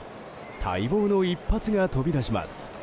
待望の一発が飛び出します。